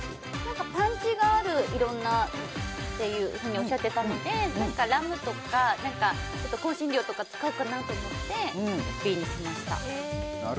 パンチがあるいろんなっておっしゃっていたのでラムとか香辛料とか使うかなと思ってＢにしました。